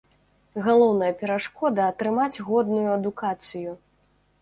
Галоўная перашкода атрымаць годную адукацыю.